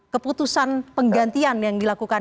keputusan penggantian yang dilakukan